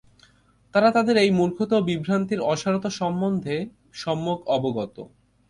তারা তাদের এই মূর্খতা ও বিভ্রান্তির অসারতা সম্বন্ধে সম্যক অবগত।